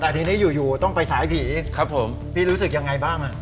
แต่ทีนี้อยู่ต้องไปสายผีพี่รู้สึกยังไงบ้างอะ